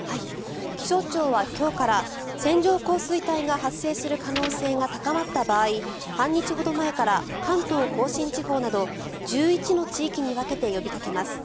気象庁は今日から線状降水帯が発生する可能性が高まった場合半日ほど前から関東・甲信地方など１１の地域に分けて呼びかけます。